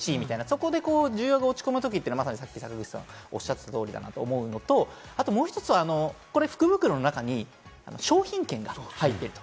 そこで需要が落ち込むときが、まさにさっきおっしゃってた通りだなと思うのと、もう一つは、福袋の中に商品券が入っていると。